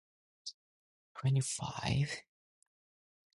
The album once again recorded at Sonic Pump Studios.